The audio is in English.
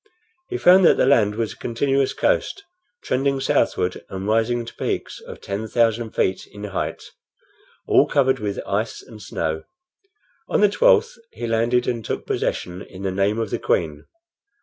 He found that the land was a continuous coast, trending southward, and rising to peaks of ten thousand feet in height, all covered with ice and snow. On the 12th he landed and took possession in the name of the Queen.